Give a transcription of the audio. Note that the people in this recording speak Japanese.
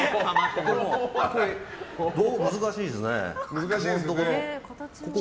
難しいですね。